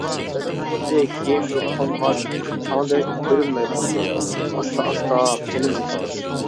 بىلىم خۇددى كىيىمگە قونغان چاڭدەك كۆرۈنمەي قونىدۇ، ئاستا-ئاستا قېلىنلىشىدۇ.